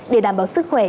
để đảm bảo sức khỏe